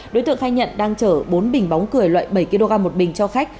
đối tượng khai nhận đang chở bốn bình bóng cười loại bảy kg một bình cho khách